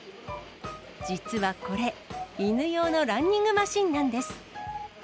実はこれ、犬用のランニングマシンなんです。